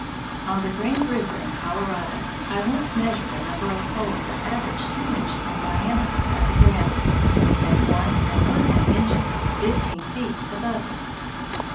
On the Grand River in Colorado I once measured a number of poles that averaged two inches in diameter at the ground and one and one half inches fifteen feet above it.